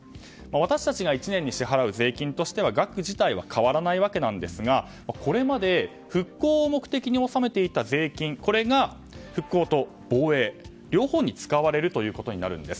私たちが１年に支払う税金としては額自体は変わらないわけですがこれまで復興を目的に収めていた税金が復興と防衛両方に使われるということになるんです。